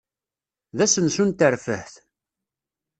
D asensu n terfeht.